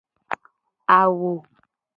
Awo.